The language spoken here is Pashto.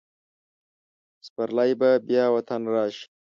سپرلی به بیا په وطن راشي.